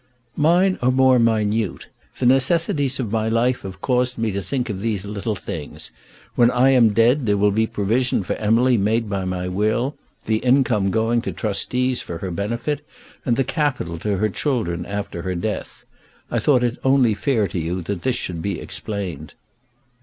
"Mine are more minute. The necessities of my life have caused me to think of these little things. When I am dead there will be provision for Emily made by my will, the income going to trustees for her benefit, and the capital to her children after her death. I thought it only fair to you that this should be explained."